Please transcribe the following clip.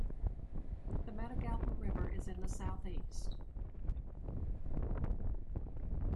The Matagalpa River is in the south-east.